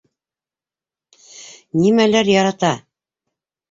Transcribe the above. Нимәләр ярата?